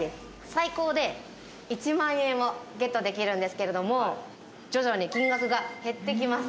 最高で１万円をゲットできるんですけれども徐々に金額が減ってきます